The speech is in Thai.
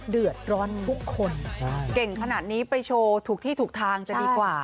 เดือดร้อนทุกคนเก่งขนาดนี้ไปโชว์ถูกที่ถูกทางจะดีกว่า